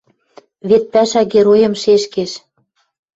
Вет Пӓшӓ Геройым шешкеш